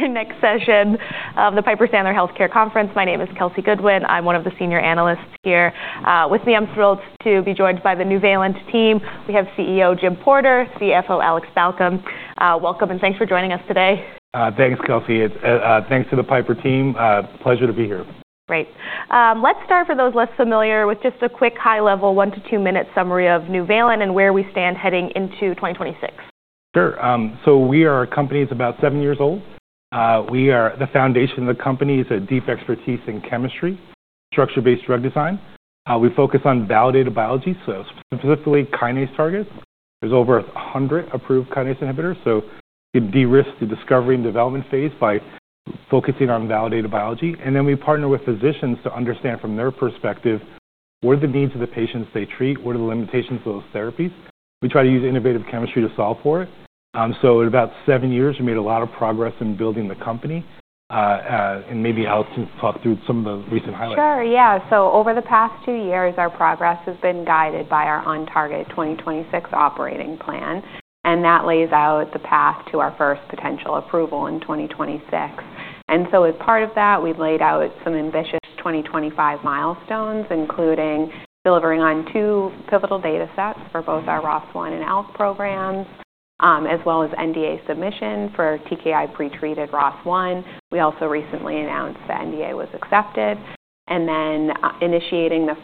Our next session of the Piper Sandler Healthcare Conference. My name is Kelsey Goodwin. I'm one of the senior analysts here. With me, I'm thrilled to be joined by the Nuvalent team. We have CEO Jim Porter, CFO Alex Balcom. Welcome, and thanks for joining us today. Thanks, Kelsey. Thanks to the Piper team. Pleasure to be here. Great. Let's start, for those less familiar, with just a quick, high-level, one to two-minute summary of Nuvalent and where we stand heading into 2026. Sure. So we are a company that's about seven years old. We are the foundation of the company. It's a deep expertise in chemistry, structure-based drug design. We focus on validated biology, so specifically kinase targets. There's over 100 approved kinase inhibitors. So we de-risk the discovery and development phase by focusing on validated biology. And then we partner with physicians to understand, from their perspective, what are the needs of the patients they treat? What are the limitations of those therapies? We try to use innovative chemistry to solve for it. So in about seven years, we made a lot of progress in building the company. And maybe Alex can talk through some of the recent highlights. Sure. Yeah. So over the past two years, our progress has been guided by our OnTarget 2026 operating plan. And that lays out the path to our first potential approval in 2026. And so as part of that, we've laid out some ambitious 2025 milestones, including delivering on two pivotal data sets for both our ROS1 and ALK programs, as well as NDA submission for TKI pretreated ROS1. We also recently announced that NDA was accepted. And then initiating the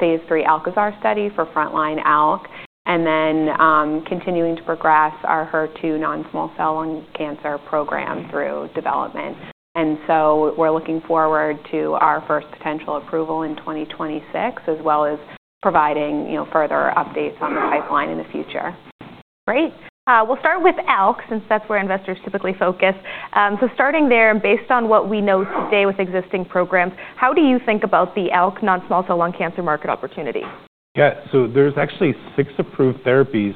phase 3 ALCAZAR study for frontline ALK. And then continuing to progress our HER2 non-small cell lung cancer program through development. And so we're looking forward to our first potential approval in 2026, as well as providing further updates on the pipeline in the future. Great. We'll start with ALK, since that's where investors typically focus. Starting there, and based on what we know today with existing programs, how do you think about the ALK non-small cell lung cancer market opportunity? Yeah. So there's actually six approved therapies,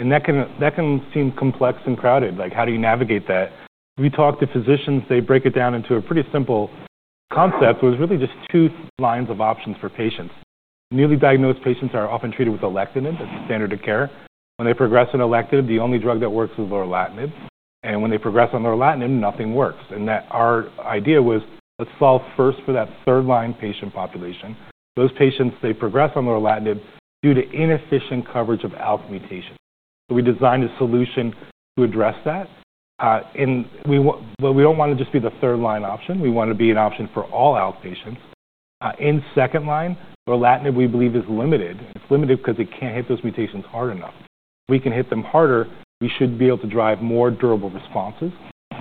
and that can seem complex and crowded. How do you navigate that? We talked to physicians. They break it down into a pretty simple concept, where it's really just two lines of options for patients. Newly diagnosed patients are often treated with alectinib as the standard of care. When they progress on alectinib, the only drug that works is lorlatinib. And when they progress on lorlatinib, nothing works. And our idea was, let's solve first for that third-line patient population. Those patients, they progress on lorlatinib due to inefficient coverage of ALK mutations. So we designed a solution to address that. But we don't want to just be the third-line option. We want to be an option for all ALK patients. In second line, lorlatinib, we believe, is limited. It's limited because it can't hit those mutations hard enough. If we can hit them harder, we should be able to drive more durable responses.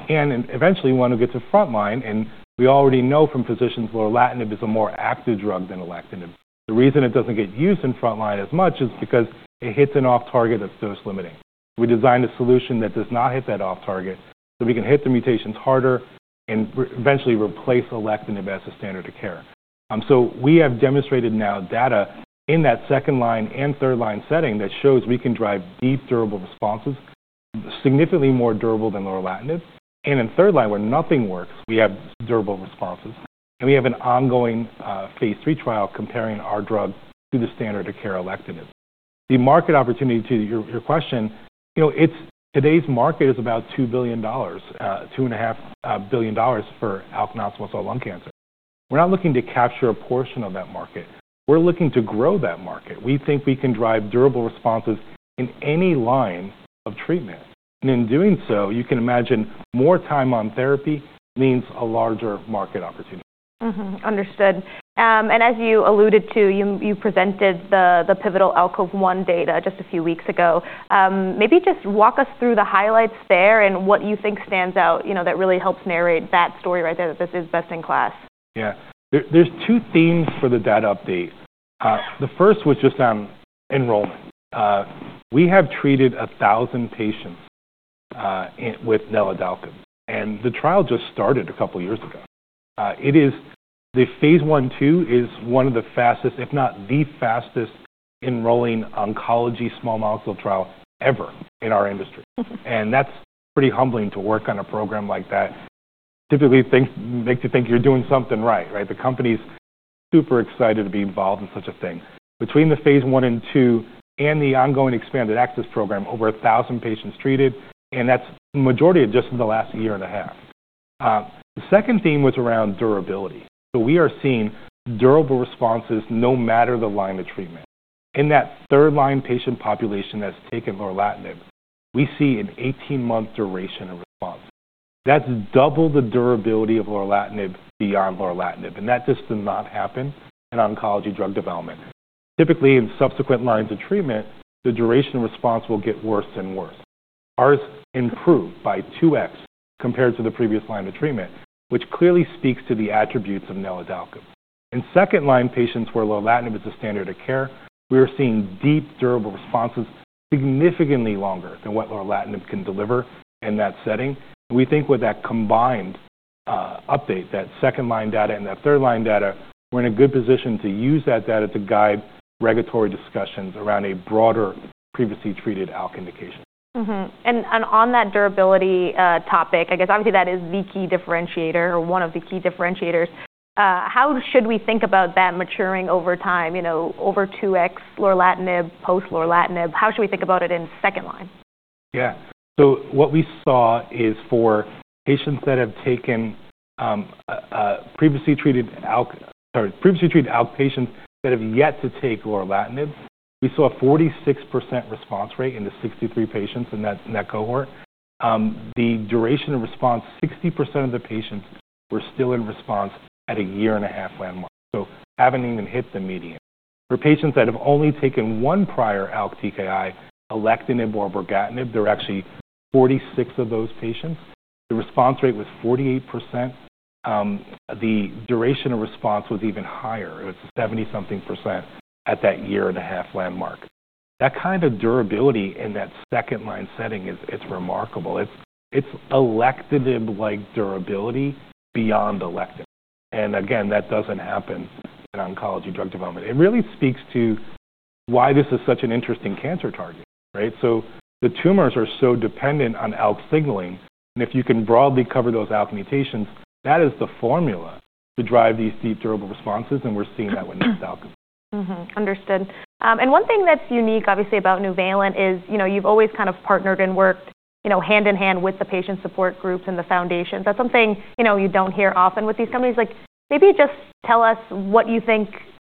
And eventually, we want to get to frontline. And we already know from physicians lorlatinib is a more active drug than alectinib. The reason it doesn't get used in frontline as much is because it hits an off-target that's dose-limiting. We designed a solution that does not hit that off-target, so we can hit the mutations harder and eventually replace alectinib as the standard of care. So we have demonstrated now data in that second-line and third-line setting that shows we can drive deep, durable responses, significantly more durable than lorlatinib. And in third line, where nothing works, we have durable responses. And we have an ongoing phase 3 trial comparing our drug to the standard of care alectinib. The market opportunity, to your question, today's market is about $2 billion-$2.5 billion for ALK non-small cell lung cancer. We're not looking to capture a portion of that market. We're looking to grow that market. We think we can drive durable responses in any line of treatment, and in doing so, you can imagine more time on therapy means a larger market opportunity. Understood. And as you alluded to, you presented the pivotal ALK phase 1 data just a few weeks ago. Maybe just walk us through the highlights there and what you think stands out that really helps narrate that story right there, that this is best in class. Yeah. There are two themes for the data update. The first was just on enrollment. We have treated 1,000 patients with NVL-655, and the trial just started a couple of years ago. The phase 1/2 is one of the fastest, if not the fastest, enrolling oncology small molecule trial ever in our industry, and that's pretty humbling to work on a program like that. Typically, things make you think you're doing something right. The company's super excited to be involved in such a thing. Between the phase 1/2 and the ongoing expanded access program, over 1,000 patients treated, and that's the majority of just in the last year and a half. The second theme was around durability, so we are seeing durable responses no matter the line of treatment. In that third-line patient population that's taken lorlatinib, we see an 18-month duration of response. That's double the durability of lorlatinib beyond lorlatinib, and that just does not happen in oncology drug development. Typically, in subsequent lines of treatment, the duration of response will get worse and worse. Ours improved by 2x compared to the previous line of treatment, which clearly speaks to the attributes of NVL-655. In second-line patients where lorlatinib is the standard of care, we are seeing deep, durable responses significantly longer than what lorlatinib can deliver in that setting, and we think with that combined update, that second-line data and that third-line data, we're in a good position to use that data to guide regulatory discussions around a broader previously treated ALK indication. On that durability topic, I guess, obviously, that is the key differentiator or one of the key differentiators. How should we think about that maturing over time, over 2x lorlatinib, post-lorlatinib? How should we think about it in second line? Yeah. So what we saw is for patients that have taken previously treated ALK, sorry, previously treated ALK patients that have yet to take lorlatinib, we saw a 46% response rate in the 63 patients in that cohort. The duration of response, 60% of the patients were still in response at a year and a half landmark. So haven't even hit the median. For patients that have only taken one prior ALK TKI, alectinib or brigatinib, there are actually 46 of those patients. The response rate was 48%. The duration of response was even higher. It was 70-something% at that year and a half landmark. That kind of durability in that second-line setting, it's remarkable. It's alectinib-like durability beyond alectinib. And again, that doesn't happen in oncology drug development. It really speaks to why this is such an interesting cancer target. The tumors are so dependent on ALK signaling. If you can broadly cover those ALK mutations, that is the formula to drive these deep, durable responses. We're seeing that with NVL-655. Understood. And one thing that's unique, obviously, about Nuvalent is you've always kind of partnered and worked hand in hand with the patient support groups and the foundations. That's something you don't hear often with these companies. Maybe just tell us what you think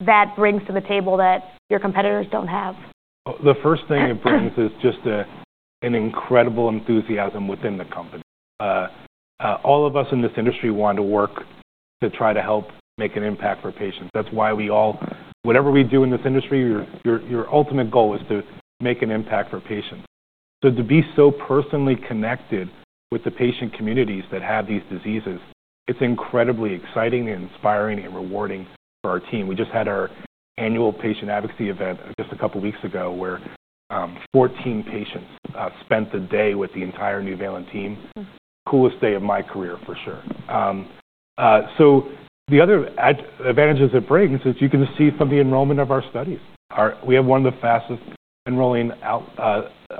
that brings to the table that your competitors don't have. The first thing it brings is just an incredible enthusiasm within the company. All of us in this industry want to work to try to help make an impact for patients. That's why we all, whatever we do in this industry, your ultimate goal is to make an impact for patients. So to be so personally connected with the patient communities that have these diseases, it's incredibly exciting and inspiring and rewarding for our team. We just had our annual patient advocacy event just a couple of weeks ago where 14 patients spent the day with the entire Nuvalent team. Coolest day of my career, for sure. So the other advantages it brings is you can see from the enrollment of our studies. We have one of the fastest enrolling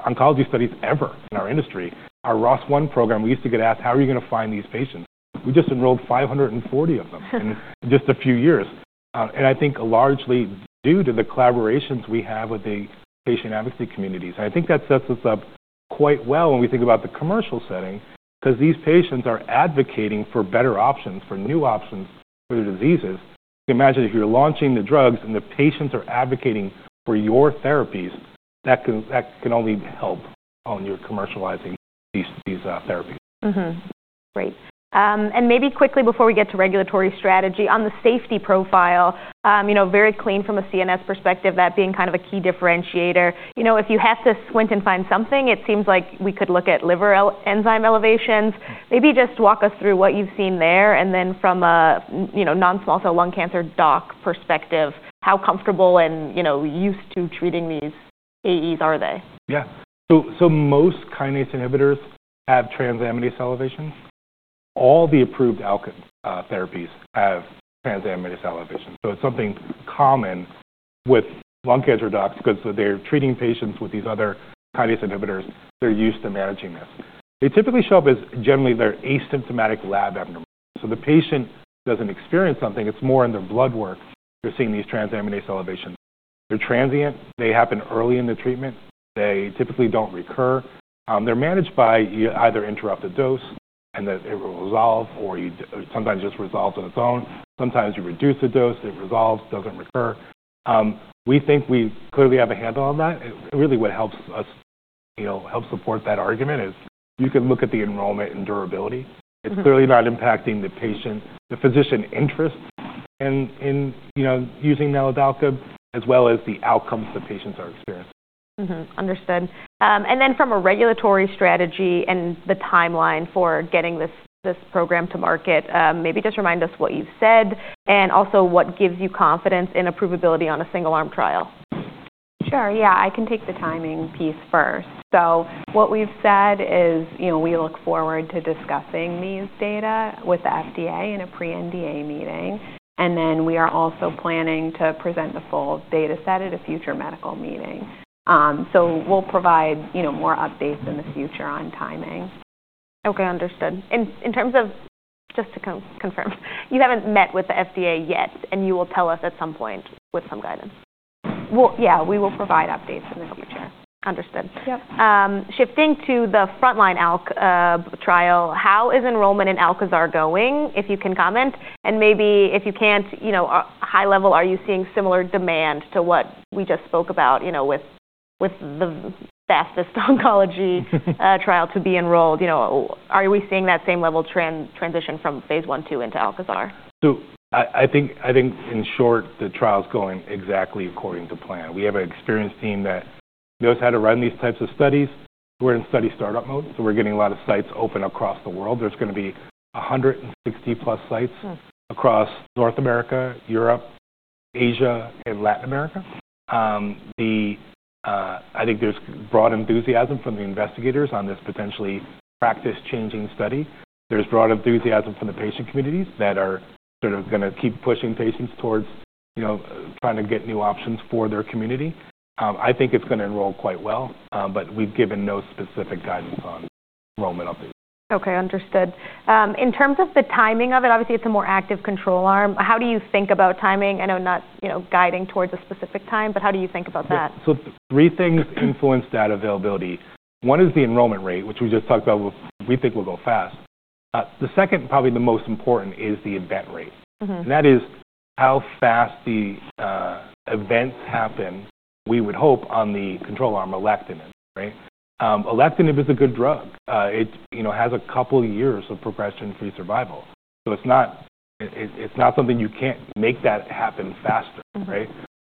oncology studies ever in our industry. Our ROS1 program, we used to get asked, "How are you going to find these patients?" We just enrolled 540 of them in just a few years. And I think largely due to the collaborations we have with the patient advocacy communities. And I think that sets us up quite well when we think about the commercial setting because these patients are advocating for better options, for new options for their diseases. You can imagine if you're launching the drugs and the patients are advocating for your therapies, that can only help on your commercializing these therapies. Great. And maybe quickly before we get to regulatory strategy, on the safety profile, very clean from a CNS perspective, that being kind of a key differentiator. If you have to squint and find something, it seems like we could look at liver enzyme elevations. Maybe just walk us through what you've seen there. And then from a non-small cell lung cancer doc perspective, how comfortable and used to treating these AEs are they? Yeah. So most kinase inhibitors have transaminases elevations. All the approved ALK therapies have transaminases elevations. So it's something common with lung cancer docs because they're treating patients with these other kinase inhibitors. They're used to managing this. They typically show up as generally they're asymptomatic lab abnormalities. So the patient doesn't experience something. It's more in their blood work. You're seeing these transaminases elevations. They're transient. They happen early in the treatment. They typically don't recur. They're managed by either interrupted dose and that it will resolve, or sometimes it just resolves on its own. Sometimes you reduce the dose. It resolves. Doesn't recur. We think we clearly have a handle on that. Really, what helps support that argument is you can look at the enrollment and durability. It's clearly not impacting the patient, the physician interest in using NVL-655, as well as the outcomes the patients are experiencing. Understood. And then from a regulatory strategy and the timeline for getting this program to market, maybe just remind us what you've said and also what gives you confidence in approvability on a single-arm trial. Sure. Yeah. I can take the timing piece first. So what we've said is we look forward to discussing these data with the FDA in a pre-NDA meeting. And then we are also planning to present the full data set at a future medical meeting. So we'll provide more updates in the future on timing. Okay. Understood. And in terms of just to confirm, you haven't met with the FDA yet, and you will tell us at some point with some guidance? Yeah. We will provide updates in the future. Understood. Shifting to the frontline ALK trial, how is enrollment in ALCAZAR going, if you can comment? And maybe if you can't, high level, are you seeing similar demand to what we just spoke about with the fastest oncology trial to be enrolled? Are we seeing that same level transition from phase 1, 2 into ALCAZAR? So I think in short, the trial's going exactly according to plan. We have an experienced team that knows how to run these types of studies. We're in study startup mode. So we're getting a lot of sites open across the world. There's going to be 160-plus sites across North America, Europe, Asia, and Latin America. I think there's broad enthusiasm from the investigators on this potentially practice-changing study. There's broad enthusiasm from the patient communities that are sort of going to keep pushing patients towards trying to get new options for their community. I think it's going to enroll quite well, but we've given no specific guidance on enrollment updates. Okay. Understood. In terms of the timing of it, obviously, it's a more active control arm. How do you think about timing? I know not guiding towards a specific time, but how do you think about that? Three things influence that availability. One is the enrollment rate, which we just talked about. We think we'll go fast. The second, probably the most important, is the event rate. And that is how fast the events happen, we would hope, on the control arm, alectinib. Alectinib is a good drug. It has a couple of years of progression-free survival. So it's not something you can't make that happen faster.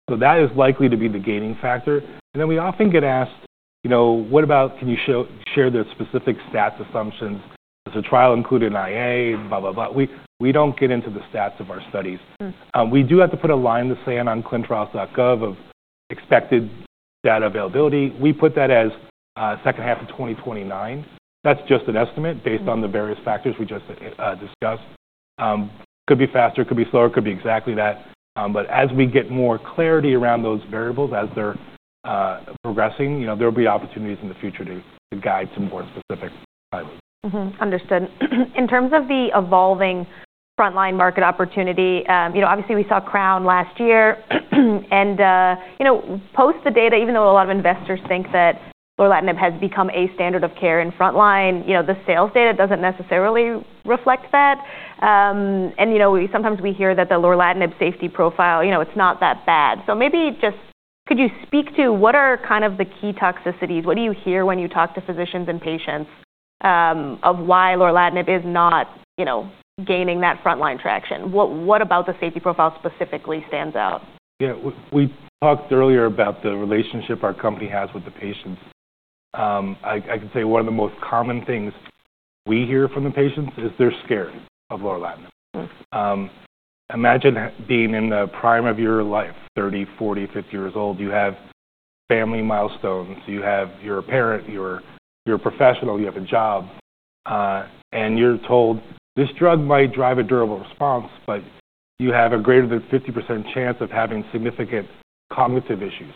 So that is likely to be the gating factor. And then we often get asked, "What about, can you share the specific stats assumptions? Does the trial include an IA, blah, blah, blah?" We don't get into the stats of our studies. We do have to put a line in the sand on ClinicalTrials.gov of expected data availability. We put that as second half of 2029. That's just an estimate based on the various factors we just discussed. Could be faster. Could be slower. Could be exactly that. But as we get more clarity around those variables as they're progressing, there will be opportunities in the future to guide some more specific timing. Understood. In terms of the evolving frontline market opportunity, obviously, we saw CROWN last year. And post the data, even though a lot of investors think that lorlatinib has become a standard of care in frontline, the sales data doesn't necessarily reflect that. And sometimes we hear that the lorlatinib safety profile, it's not that bad. So maybe just could you speak to what are kind of the key toxicities? What do you hear when you talk to physicians and patients of why lorlatinib is not gaining that frontline traction? What about the safety profile specifically stands out? Yeah. We talked earlier about the relationship our company has with the patients. I can say one of the most common things we hear from the patients is they're scared of lorlatinib. Imagine being in the prime of your life, 30, 40, 50 years old. You have family milestones. You have your parent. You're a professional. You have a job. And you're told this drug might drive a durable response, but you have a greater than 50% chance of having significant cognitive issues.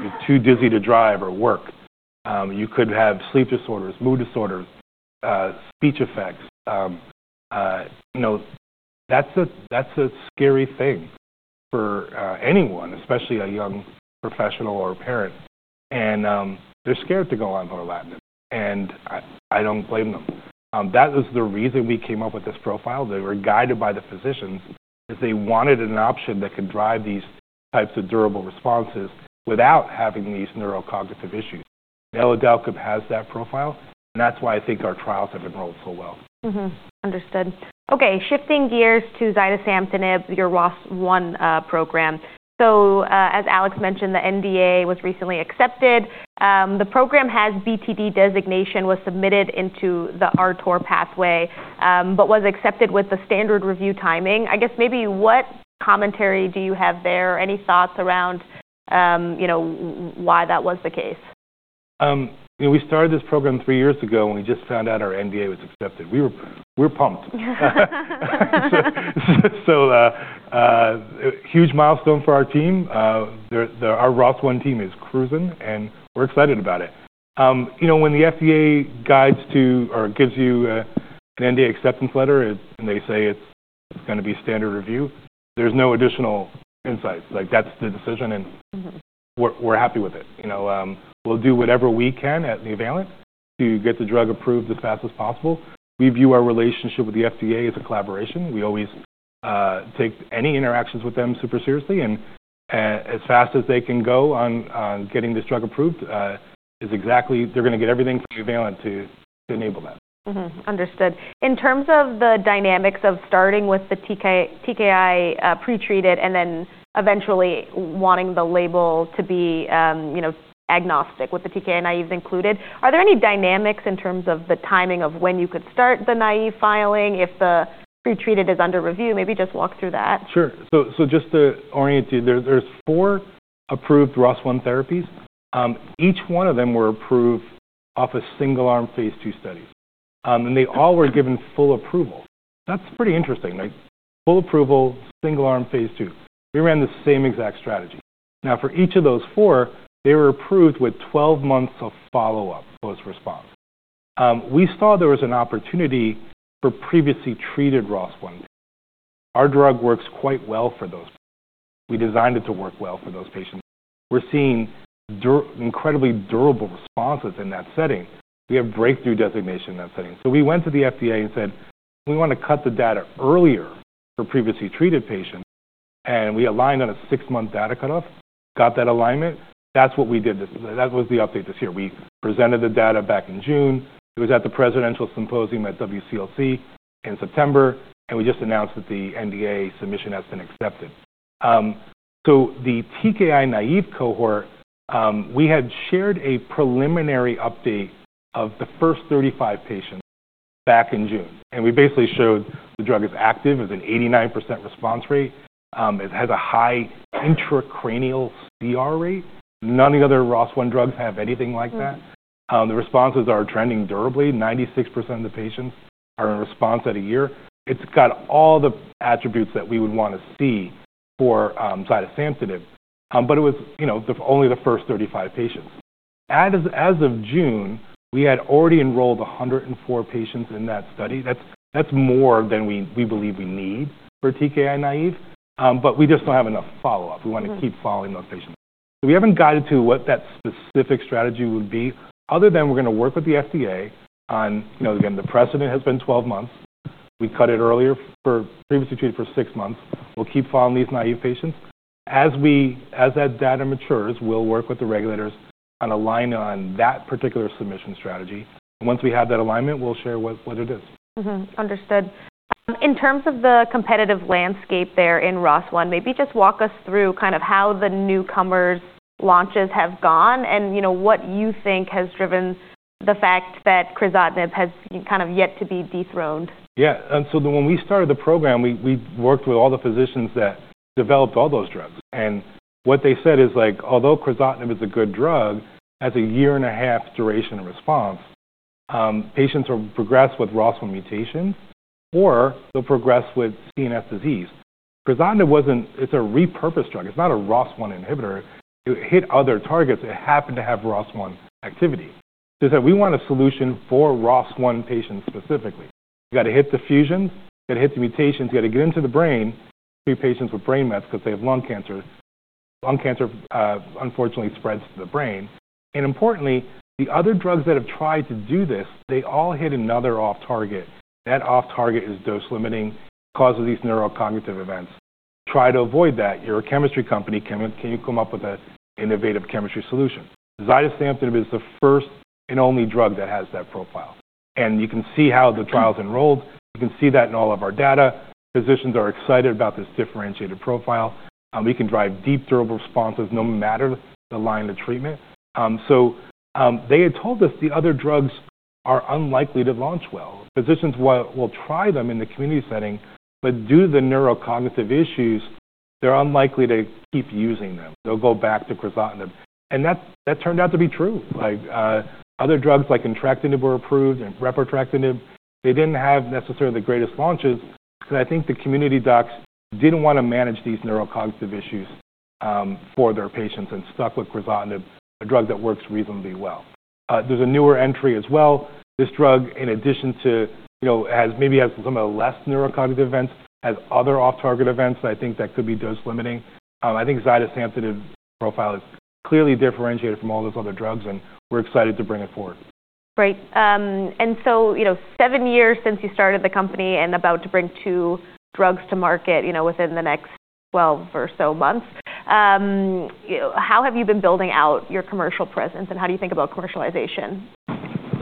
You're too dizzy to drive or work. You could have sleep disorders, mood disorders, speech effects. That's a scary thing for anyone, especially a young professional or a parent. And they're scared to go on lorlatinib. And I don't blame them. That was the reason we came up with this profile. They were guided by the physicians because they wanted an option that could drive these types of durable responses without having these neurocognitive issues. NVL-655 has that profile. And that's why I think our trials have enrolled so well. Understood. Okay. Shifting gears to zidesamtinib, your ROS1 program. So as Alex mentioned, the NDA was recently accepted. The program has BTD designation, was submitted into the RTOR pathway, but was accepted with the standard review timing. I guess maybe what commentary do you have there? Any thoughts around why that was the case? We started this program three years ago, and we just found out our NDA was accepted. We were pumped, so huge milestone for our team. Our ROS1 team is cruising, and we're excited about it. When the FDA guides to or gives you an NDA acceptance letter and they say it's going to be standard review, there's no additional insights. That's the decision, and we're happy with it. We'll do whatever we can at Nuvalent to get the drug approved as fast as possible. We view our relationship with the FDA as a collaboration. We always take any interactions with them super seriously, and as fast as they can go on getting this drug approved, they're going to get everything from Nuvalent to enable that. Understood. In terms of the dynamics of starting with the TKI pretreated and then eventually wanting the label to be agnostic with the TKI naive included, are there any dynamics in terms of the timing of when you could start the naive filing if the pretreated is under review? Maybe just walk through that. Sure, so just to orient you, there's four approved ROS1 therapies. Each one of them were approved off a single-arm phase 2 study, and they all were given full approval. That's pretty interesting. Full approval, single-arm phase 2. We ran the same exact strategy. Now, for each of those four, they were approved with 12 months of follow-up post-response. We saw there was an opportunity for previously treated ROS1. Our drug works quite well for those patients. We designed it to work well for those patients. We're seeing incredibly durable responses in that setting. We have breakthrough designation in that setting, so we went to the FDA and said, "We want to cut the data earlier for previously treated patients," and we aligned on a six-month data cutoff, got that alignment. That's what we did. That was the update this year. We presented the data back in June. It was at the presidential symposium at WCLC in September, and we just announced that the NDA submission has been accepted, so the TKI naive cohort, we had shared a preliminary update of the first 35 patients back in June, and we basically showed the drug is active. It's an 89% response rate. It has a high intracranial CR rate. None of the other ROS1 drugs have anything like that. The responses are trending durably. 96% of the patients are in response at a year. It's got all the attributes that we would want to see for zidesamtinib, but it was only the first 35 patients. As of June, we had already enrolled 104 patients in that study. That's more than we believe we need for TKI naive, but we just don't have enough follow-up. We want to keep following those patients. So we haven't guided to what that specific strategy would be other than we're going to work with the FDA on, again, the precedent has been 12 months. We cut it earlier for previously treated for six months. We'll keep following these naive patients. As that data matures, we'll work with the regulators on alignment on that particular submission strategy. Once we have that alignment, we'll share what it is. Understood. In terms of the competitive landscape there in ROS1, maybe just walk us through kind of how the newcomers' launches have gone and what you think has driven the fact that crizotinib has kind of yet to be dethroned? Yeah, and so when we started the program, we worked with all the physicians that developed all those drugs. And what they said is, "Although crizotinib is a good drug, it has a year and a half duration of response. Patients will progress with ROS1 mutations or they'll progress with CNS disease." Crizotinib, it's a repurposed drug. It's not a ROS1 inhibitor. It hit other targets. It happened to have ROS1 activity. So we said, "We want a solution for ROS1 patients specifically. You got to hit the fusions. You got to hit the mutations. You got to get into the brain. Treat patients with brain mets because they have lung cancer." Lung cancer, unfortunately, spreads to the brain. And importantly, the other drugs that have tried to do this, they all hit another off-target. That off-target is dose limiting, causes these neurocognitive events. Try to avoid that. You're a chemistry company. Can you come up with an innovative chemistry solution? zidesamtinib is the first and only drug that has that profile, and you can see how the trial's enrolled. You can see that in all of our data. Physicians are excited about this differentiated profile. We can drive deep durable responses no matter the line of treatment, so they had told us the other drugs are unlikely to launch well. Physicians will try them in the community setting, but due to the neurocognitive issues, they're unlikely to keep using them. They'll go back to crizotinib, and that turned out to be true. Other drugs like entrectinib were approved and repotrectinib. They didn't have necessarily the greatest launches because I think the community docs didn't want to manage these neurocognitive issues for their patients and stuck with crizotinib, a drug that works reasonably well. There's a newer entry as well. This drug, in addition to maybe has some of the less neurocognitive events, has other off-target events. And I think that could be dose limiting. I think zidesamtinib profile is clearly differentiated from all those other drugs, and we're excited to bring it forward. Great, and so seven years since you started the company and about to bring two drugs to market within the next 12 or so months, how have you been building out your commercial presence, and how do you think about commercialization?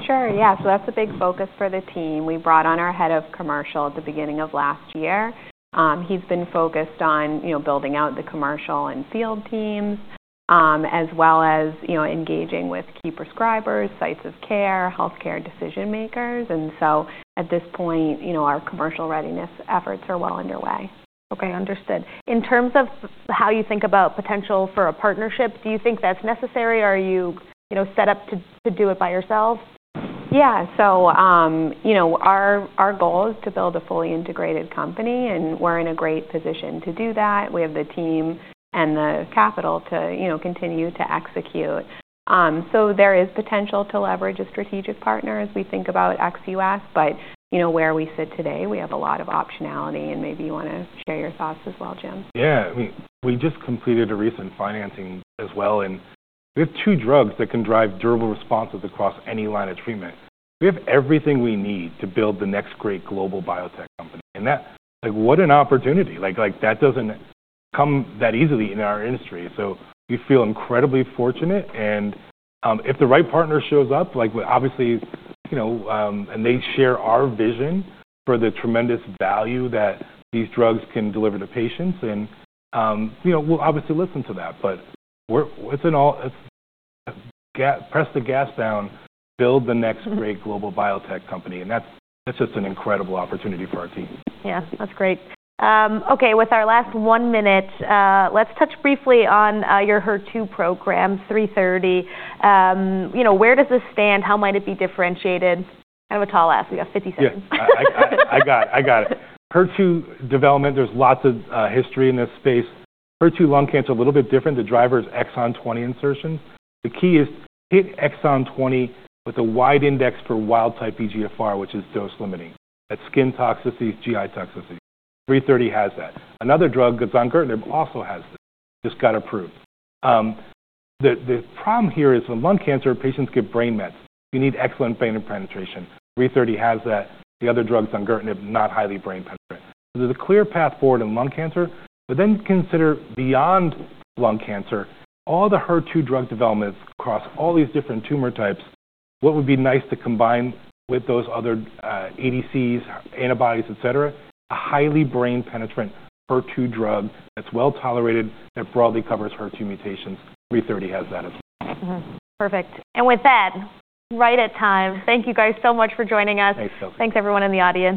Sure. Yeah, so that's a big focus for the team. We brought on our head of commercial at the beginning of last year. He's been focused on building out the commercial and field teams as well as engaging with key prescribers, sites of care, healthcare decision-makers, and so at this point, our commercial readiness efforts are well underway. Okay. Understood. In terms of how you think about potential for a partnership, do you think that's necessary? Are you set up to do it by yourself? Yeah. So our goal is to build a fully integrated company, and we're in a great position to do that. We have the team and the capital to continue to execute. So there is potential to leverage a strategic partner as we think about XUS. But where we sit today, we have a lot of optionality, and maybe you want to share your thoughts as well, Jim. Yeah. I mean, we just completed a recent financing as well. And we have two drugs that can drive durable responses across any line of treatment. We have everything we need to build the next great global biotech company. And what an opportunity. That doesn't come that easily in our industry. So we feel incredibly fortunate. And if the right partner shows up, obviously, and they share our vision for the tremendous value that these drugs can deliver to patients, then we'll obviously listen to that. But it's press the gas down, build the next great global biotech company. And that's just an incredible opportunity for our team. Yeah. That's great. Okay. With our last one minute, let's touch briefly on your HER2 program, NVL-330. Where does this stand? How might it be differentiated? Kind of a tall ask. We got 50 seconds. Yeah. I got it. HER2 development, there's lots of history in this space. HER2 lung cancer, a little bit different. The driver is exon 20 insertion. The key is hit exon 20 with a wide index for wild-type EGFR, which is dose limiting. That's skin toxicities, GI toxicities. 330 has that. Another drug, zongertinib, also has this. Just got approved. The problem here is with lung cancer, patients get brain mets. You need excellent brain penetration. 330 has that. The other drug, zongertinib, not highly brain penetrant. So there's a clear path forward in lung cancer. But then consider beyond lung cancer, all the HER2 drug developments across all these different tumor types, what would be nice to combine with those other ADCs, antibodies, etc., a highly brain-penetrant HER2 drug that's well tolerated, that broadly covers HER2 mutations. 330 has that as well. Perfect. And with that, right on time, thank you guys so much for joining us. Thanks, Kelsey. Thanks, everyone in the audience.